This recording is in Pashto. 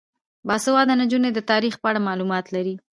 باسواده نجونې د تاریخ په اړه معلومات لري.